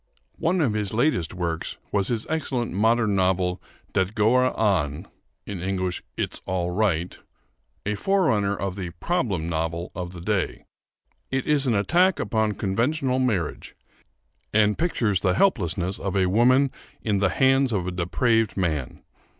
One of his latest works was his excellent modern novel, 'Det Går An' (It's All Right), a forerunner of the "problem novel" of the day. It is an attack upon conventional marriage, and pictures the helplessness of a woman in the hands of a depraved man.